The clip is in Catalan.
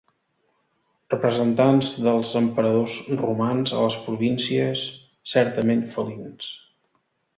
Representants dels emperadors romans a les províncies, certament felins.